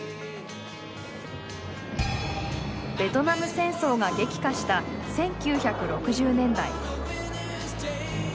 ベトナム戦争が激化した１９６０年代。